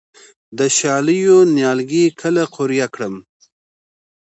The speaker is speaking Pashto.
د شالیو نیالګي کله قوریه کړم؟